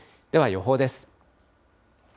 では予報です。